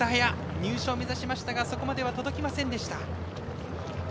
入賞を目指しましたがそこまでは届きませんでした。